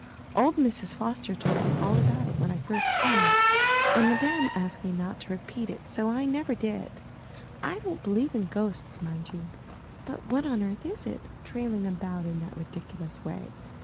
Old Mrs. Foster told me all about it when I first came, and Madame asked me not to repeat it, so I never did. I don't believe in ghosts, mind you, but what on earth is it, trailing about in that ridiculous way?"